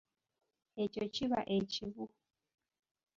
Ekyo kiba ekibu.